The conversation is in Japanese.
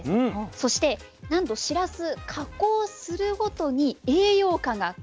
そしてなんとしらす加工するごとに栄養価が変わってきます。